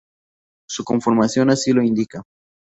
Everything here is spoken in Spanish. Su conformación así lo indica.